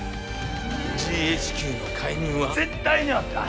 ＧＨＱの介入は絶対にあった！